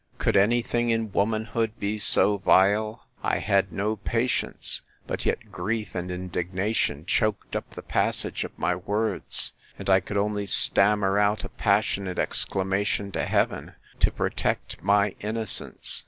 Could any thing in womanhood be so vile? I had no patience: but yet grief and indignation choaked up the passage of my words; and I could only stammer out a passionate exclamation to Heaven, to protect my innocence.